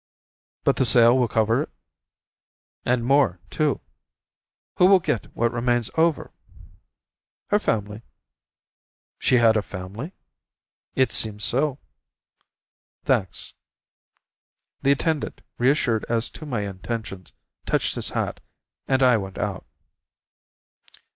"But the sale will cover it?" "And more too." "Who will get what remains over?" "Her family." "She had a family?" "It seems so." "Thanks." The attendant, reassured as to my intentions, touched his hat, and I went out.